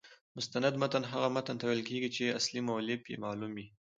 مستند متن هغه متن ته ویل کیږي، چي اصلي مؤلف يې معلوم يي.